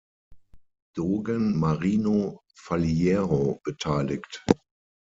Dogen Marino Faliero beteiligt.